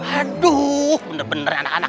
aduh bener bener anak anak